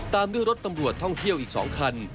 ตามด้วยรถตำรวจท่องเที่ยวอีก๒คัน